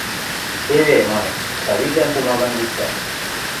– Теве, – манеш, Савиклӓн пумагам виктӓ.